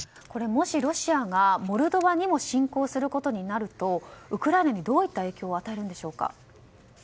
もしロシアがモルドバにも侵攻することになるとウクライナにどういった影響を与えるんでしょうか。